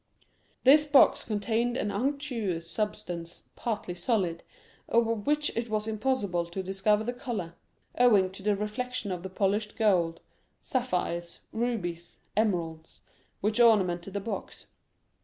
This box contained an unctuous substance partly solid, of which it was impossible to discover the color, owing to the reflection of the polished gold, sapphires, rubies, emeralds, which ornamented the box.